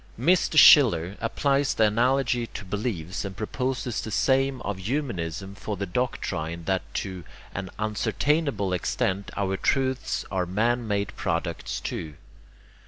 Mr. Schiller applies the analogy to beliefs, and proposes the name of 'Humanism' for the doctrine that to an unascertainable extent our truths are man made products too.